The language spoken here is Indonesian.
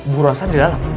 bu rosa di dalam